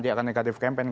dia akan negatif campaign